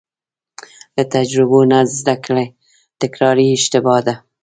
له تجربو نه زده کړه تکراري اشتباه ده.